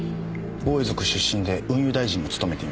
防衛族出身で運輸大臣も務めています。